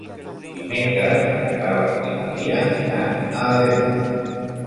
Dimecres na Queralt i na Lia iran a Ademús.